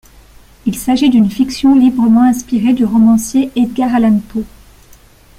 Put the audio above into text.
Il s'agit d'une fiction librement inspirée du romancier Edgar Allan Poe.